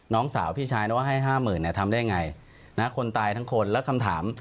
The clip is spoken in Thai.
น้องสาวพี่ชายนะว่าให้ห้าหมื่นเนี่ยทำได้ไงนะคนตายทั้งคนแล้วคำถาม